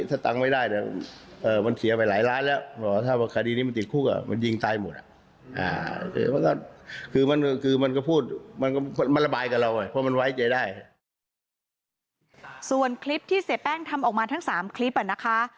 ส่วนคลิปที่เสียแป้งทำออกมาทั้ง๓คลิปนะคะ